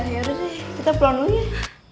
ya udah deh kita pulang dulu ya